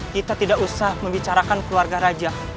kita tidak usah membicarakan keluarga raja